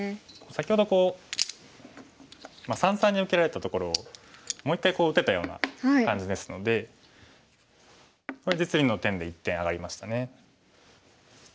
先ほどこう三々に受けられたところをもう一回打てたような感じですのでこれ実利の点で１点上がりましたね。